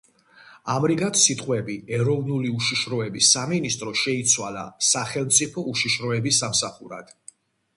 ამრიგად, სიტყვები „ეროვნული უშიშროების სამინისტრო“ შეიცვალა „სახელმწიფო უშიშროების სამსახურად“.